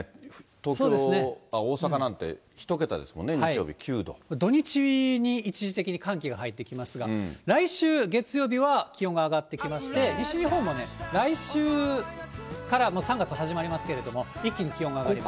東京、大阪なんて、１桁ですもんね、土日に一時的に寒気が入ってきますが、来週月曜日は気温が上がってきまして、西日本もね、来週から３月始まりますけど、一気に気温が上がります。